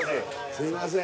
すいません